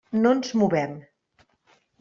No ens movem.